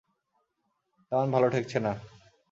তেমন ভালো ঠেকছে না!